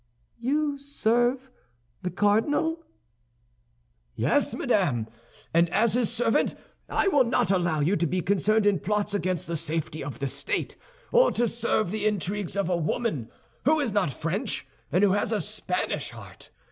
"You serve the cardinal?" "Yes, madame; and as his servant, I will not allow you to be concerned in plots against the safety of the state, or to serve the intrigues of a woman who is not French and who has a Spanish heart.